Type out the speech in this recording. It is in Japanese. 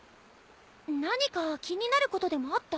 何か気になることでもあった？